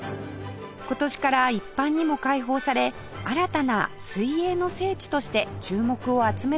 今年から一般にも開放され新たな水泳の聖地として注目を集めています